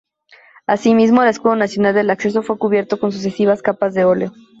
Así mismo, el Escudo Nacional del Acceso fue cubierto con sucesivas capas de oleo.